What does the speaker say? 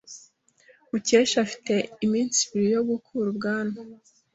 Mukesha afite iminsi ibiri yo gukura ubwanwa.